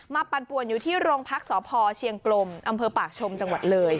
ปั่นป่วนอยู่ที่โรงพักสพเชียงกลมอำเภอปากชมจังหวัดเลย